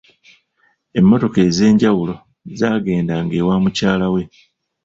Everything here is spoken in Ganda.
Emmotoka ez'enjawulo zaagendanga ewa mukyala we.